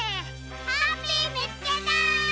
ハッピーみつけた！